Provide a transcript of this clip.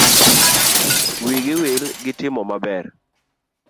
Wigi wil gi timo maber.